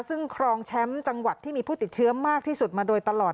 ซึ่งครองแชมป์จังหวัดที่มีผู้ติดเชื้อมากที่สุดมาโดยตลอด